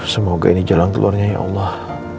semoga ini jalan keluarnya ya allah